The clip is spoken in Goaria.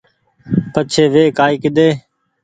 پڇي وي ڪآئي ڪيۮي